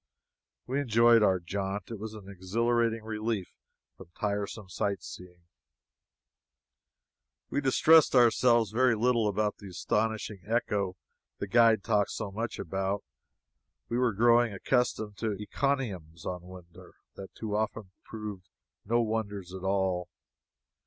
We enjoyed our jaunt. It was an exhilarating relief from tiresome sight seeing. We distressed ourselves very little about the astonishing echo the guide talked so much about. We were growing accustomed to encomiums on wonders that too often proved no wonders at all.